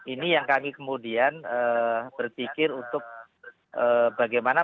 ini yang kami kemudian berpikir untuk bagaimana pesantren pesantren terutama pesantren yang baru ya